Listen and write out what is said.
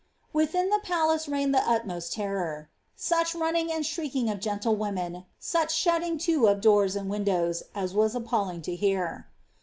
"' Within the palace reigned the utmost terror; <^8uch running and shrieking of gentlewomen, such shutting to of doors and windows, as was appalling to hear."'